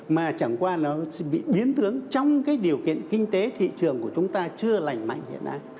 mà chẳng qua nó bị biến tướng trong cái điều kiện kinh tế thị trường của chúng ta chưa lành mạnh hiện nay